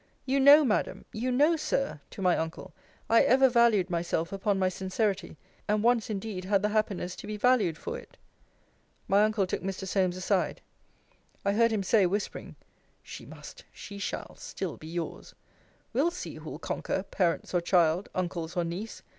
You know, Madam, you know, Sir, to my uncle, I ever valued myself upon my sincerity: and once indeed had the happiness to be valued for it. My uncle took Mr. Solmes aside. I heard him say, whispering, She must, she shall, still be yours. We'll see, who'll conquer, parents or child, uncles or niece.